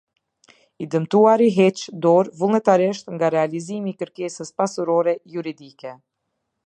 I dëmtuari heqë dorë vullnetarisht nga realizimi i kërkesës pasurore juridike.